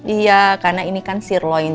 iya karena ini kan sirloin